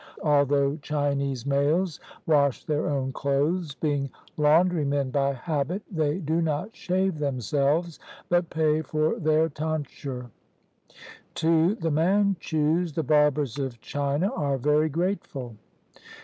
Although Chinese males wash their own clothes, being laundrymen by habit, they do not shave themselves, but pay for their tonsure. To the Manchus the barbers of China are very grateful.